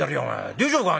大丈夫かい？